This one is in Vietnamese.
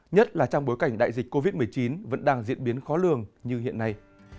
nhất là trong bối cảnh đại dịch covid một mươi chín vẫn đang diễn biến khó lường như hiện nay